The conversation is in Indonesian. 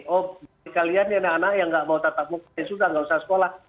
oh kalian anak anak yang tidak mau tata muka ya sudah tidak usah sekolah